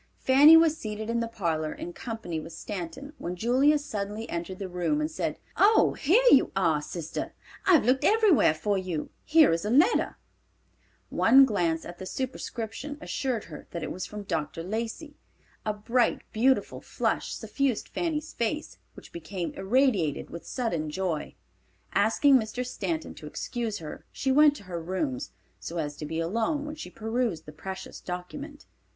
Fanny was seated in the parlor in company with Stanton when Julia suddenly entered the room and said, "Oh, here you are, sister. I've looked everywhere for you. Here is a letter." One glance at the superscription assured her that it was from Dr. Lacey. A bright, beautiful flush suffused Fanny's face, which became irradiated with sudden joy. Asking Mr. Stanton to excuse her, she went to her rooms, so as to be alone when she perused the precious document.